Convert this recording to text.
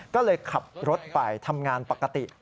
ก็เลยขับรถไปทำงานปกติ